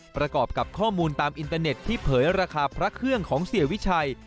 ประกอบกับข้อมูลตามอินเตอร์เน็ตที่เผยราคาพระเครื่องของเสียวิชัย